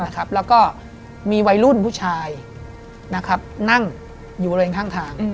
ได้มีวัยรุ่นผู้ชายนั่งอยู่ในข้างทาง